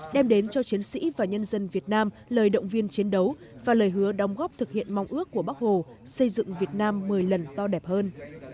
đem đến cho chiến sĩ và nhân dân việt nam lời động viên chiến đấu và lời hứa đóng góp thực hiện mong ước của bắc hồ xây dựng việt nam một mươi lần to đẹp hơn